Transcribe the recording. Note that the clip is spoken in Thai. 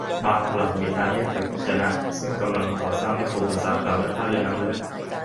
บางกล่ำ มีทางแยกไปจะนะ ซึ่งกำลังก่อสร้างนิคมอุตสาหกรรมและท่าเรือน้ำลึก